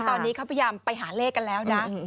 ตอนนี้เขาพยายามไปหาเลขกันแล้วนะ